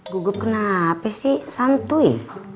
gugup kenapa sih santuy